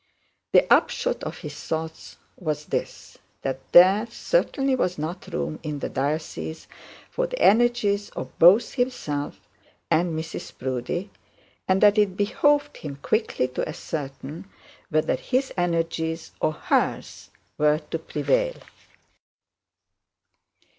The upshot of his thoughts was this, that there certainly was not room in the diocese for the energies of both himself and Mrs Proudie, and that it behoved him quickly to ascertain whether his energies or hers would prevail.